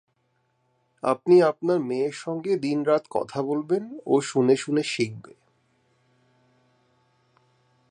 আপনি আপনার মেয়ের সঙ্গে দিন-রাত কথা বলবেন ও শুনে-শুনে শিখবে।